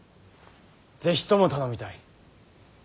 是非とも頼みたい。